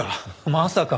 まさか！